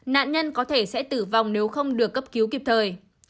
nạn nhân có thể sẽ tử vong nếu không được cấp cứu kịp thời